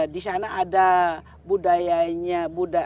disana ada budayanya